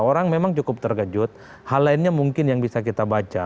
orang memang cukup terkejut hal lainnya mungkin yang bisa kita baca